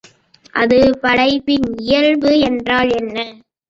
அது படைப்பின் இயல்பு என்றான்.